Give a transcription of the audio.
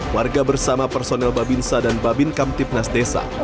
warga bersama personel babinsa dan babin kamtipnas desa